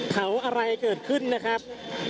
เผาอะไรเกิดขึ้นนะครับ